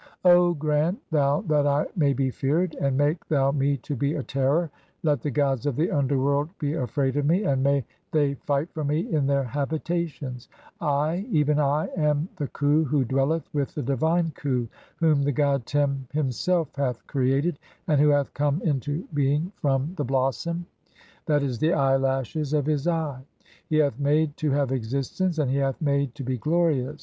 O grant "thou that I may be feared, and make thou me to be a terror ; "let the gods of the underworld be afraid of me, (15) and may "they fight for me in their habitations. I, even I, am the Khu "who dwelleth with the divine Khu, whom the god Tem him "self hath created, (16) and who hath come into being from "the blossom (/. e., the eyelashes) of his eye ; he hath made to "have existence, and he hath made to be glorious